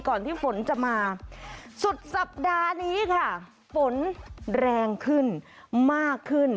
ก่อนที่ฝนจะมาสุดสัปดาห์นี้ค่ะฝนแรงขึ้นมากขึ้น